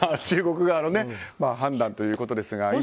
中国側の判断ということですが。